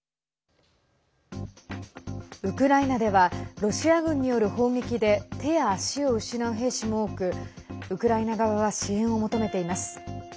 ウクライナではロシア軍による砲撃で手や足を失う兵士も多くウクライナ側は支援を求めています。